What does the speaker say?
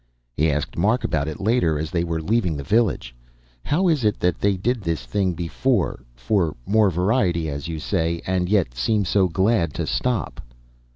He asked Mark about it later, as they were leaving the village. "How is it that they did this thing before for more variety, as you say and yet seem so glad to stop?"